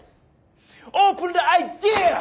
オープンザアイデア！